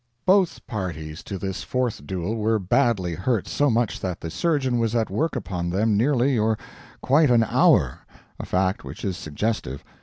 Both parties to this fourth duel were badly hurt so much that the surgeon was at work upon them nearly or quite an hour a fact which is suggestive.